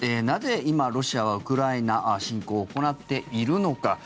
なぜ今、ロシアはウクライナ侵攻を行っているのか。